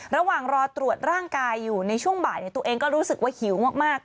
ระหว่างรอตรวจร่างกายอยู่ในช่วงบ่ายตัวเองก็รู้สึกว่าหิวมาก